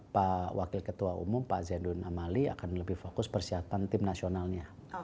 pak wakil ketua umum pak zainud amali akan lebih fokus persiapan tim nasionalnya